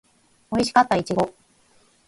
おいしかったいちご